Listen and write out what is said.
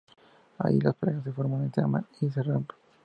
Ahí las parejas se forman, se aman, y se rompen…